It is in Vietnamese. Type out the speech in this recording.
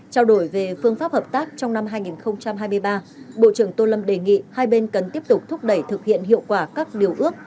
trao đổi về phương pháp hợp tác trong năm hai nghìn hai mươi ba bộ trưởng tô lâm đề nghị hai bên cần tiếp tục thúc đẩy thực hiện hiệu quả các điều ước